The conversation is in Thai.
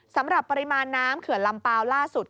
สำหรับปริมาณน้ำเขื่อนลำเปล่าล่าสุด